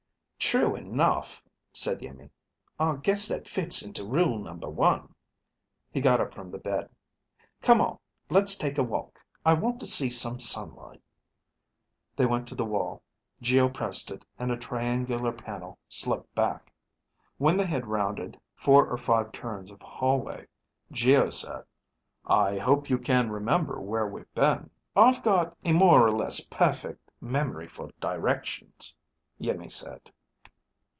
"True enough," said Iimmi. "I guess that fits into Rule Number One." He got up from the bed. "Come on. Let's take a walk. I want to see some sunlight." They went to the wall. Geo pressed it and a triangular panel slipped back. When they had rounded four or five turns of hallway, Geo said, "I hope you can remember where we've been." "I've got a more or less perfect memory for directions," Iimmi said.